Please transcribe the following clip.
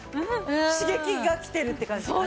刺激がきてるって感じかな。